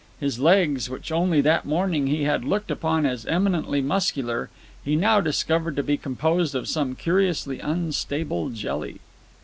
His legs, which only that morning he had looked upon as eminently muscular, he now discovered to be composed of some curiously unstable jelly.